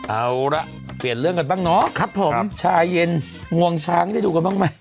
เอาละเปลี่ยนเรื่องกันบ้างเนาะครับผมชายเย็นงวงช้างได้ดูกันบ้างไหม